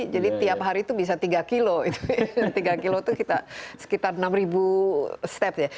jadi tiap hari itu bisa tiga kilo tiga kilo itu sekitar enam ribu step ya